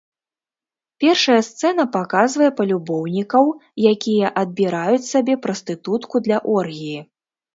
Першая сцэна паказвае палюбоўнікаў, якія адбіраюць сабе прастытутку для оргіі.